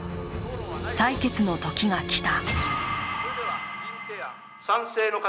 採決の時が来た。